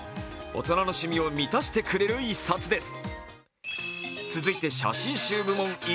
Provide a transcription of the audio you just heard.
大人の趣味を満たしてくれる一冊です。